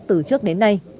từ trước đến nay